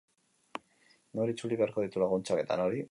Nor itzuli beharko ditu laguntzak eta nori?